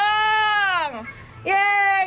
apa tidak ada obat